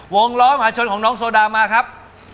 ล้อมหาชนของน้องโซดามาครับ